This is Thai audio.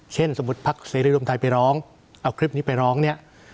เช่นสมมุติภาคเศรษฐ์ศรีรุมไทยไปร้องเอาคลิปนี้ไปร้องเนี่ย